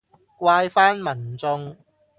怪返民眾